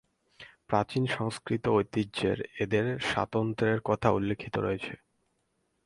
প্রাচীন সংস্কৃত সাহিত্যে এঁদের স্বাতন্ত্র্যের কথা উল্লিখিত হয়েছে।